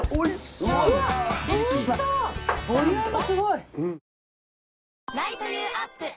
うわボリュームすごい。